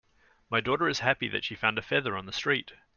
My daughter is happy that she found a feather on the street.